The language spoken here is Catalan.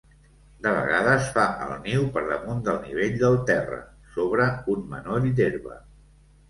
De vegades fa el niu per damunt del nivell del terra, sobre un manoll d'herba.